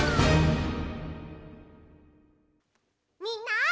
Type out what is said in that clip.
みんな！